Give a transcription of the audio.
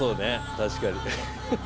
確かに。